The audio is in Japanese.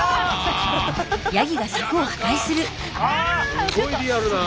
すごいリアルだな。